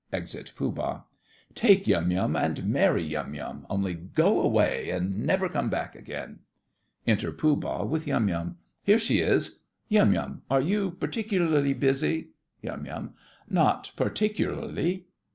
(Exit Pooh Bah.) Take Yum Yum and marry Yum Yum, only go away and never come back again. (Enter Pooh Bah with Yum Yum.) Here she is. Yum Yum, are you particularly busy? YUM. Not particularly.